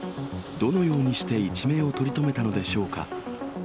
どのようにして一命を取り留めたのでしょうか。